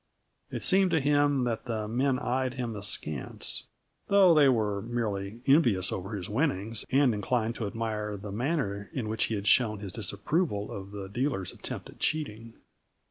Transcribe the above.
It seemed to him that the men eyed him askance; though they were merely envious over his winnings and inclined to admire the manner in which he had shown his disapproval of the dealer's attempt at cheating.